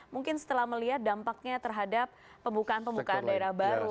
mungkin setelah melihat dampaknya terhadap pembukaan pembukaan daerah baru